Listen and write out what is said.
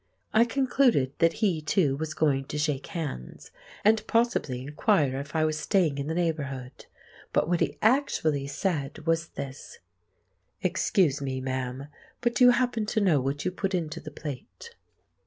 I concluded that he, too, was going to shake hands, and possibly inquire if I was staying in the neighbourhood. But what he actually said was this— "Excuse me, ma'am, but do you happen to know what you put into the plate?"